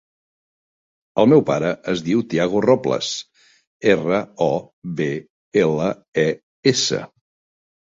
El meu pare es diu Tiago Robles: erra, o, be, ela, e, essa.